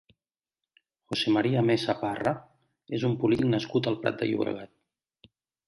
José María Mesa Parra és un polític nascut al Prat de Llobregat.